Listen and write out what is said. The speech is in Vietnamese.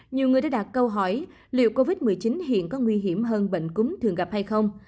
nhiều người đã đặt câu hỏi liệu covid một mươi chín hiện có nguy hiểm hơn bệnh cúm thường gặp hay không